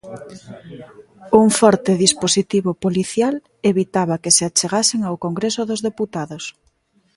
Un forte dispositivo policial evitaba que se achegasen ao Congreso dos Deputados.